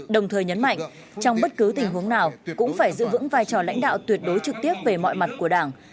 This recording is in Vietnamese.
đồng thời nhấn mạnh trong bất cứ tình huống nào cũng phải giữ vững vai trò lãnh đạo tuyệt đối trực tiếp về mọi mặt của đảng